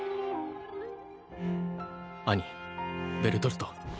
アニベルトルト。